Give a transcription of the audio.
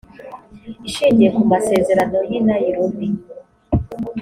ishingiye ku masezerano y i nairobi